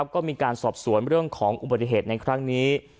ก็มีการสอบสวนเรื่องของอุบัติเหตุในครั้งนี้